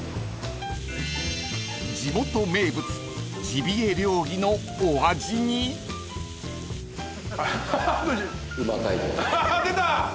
［地元名物ジビエ料理のお味に］出た！